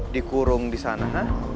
dikurung disana ha